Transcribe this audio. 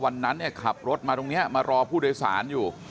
วันนั้นเนี่ยขับรถมาตรงนี้มารอผู้โดยสารอยู่